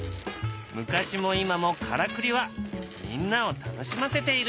昔も今もからくりはみんなを楽しませている。